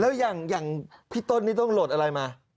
แล้วอย่างพี่ต้นนี่ต้องโหลดอะไรมา